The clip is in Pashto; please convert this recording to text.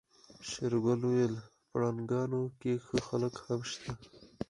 شېرګل وويل پرنګيانو کې ښه خلک هم شته.